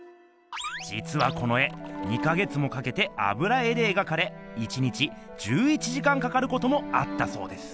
じつはこの絵２か月もかけて油絵で描かれ１日１１時間かかることもあったそうです。